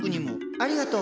ありがとう。